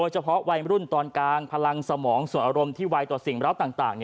เฉพาะวัยมรุ่นตอนกลางพลังสมองส่วนอารมณ์ที่ไวต่อสิ่งร้าวต่าง